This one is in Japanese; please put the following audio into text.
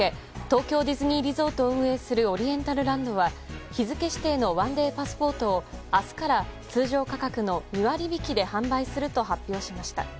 東京ディズニーリゾートを運営するオリエンタルランドは日付指定の１デーパスポートを明日から通常価格の２割引きで販売すると発表しました。